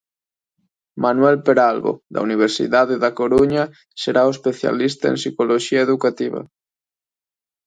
Manuel Peralbo, da Universidade dá Coruña, será o especialista en psicoloxía educativa.